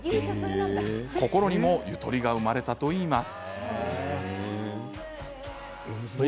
心にもゆとりが生まれたといいます。